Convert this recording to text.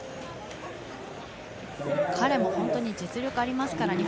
彼も実力がありますから。